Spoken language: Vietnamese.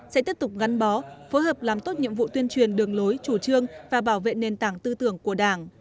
sẽ tiếp tục gắn bó phối hợp làm tốt nhiệm vụ tuyên truyền đường lối chủ trương và bảo vệ nền tảng tư tưởng của đảng